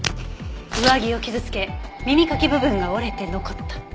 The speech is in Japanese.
上着を傷つけ耳かき部分が折れて残った。